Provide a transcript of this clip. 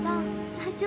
大丈夫？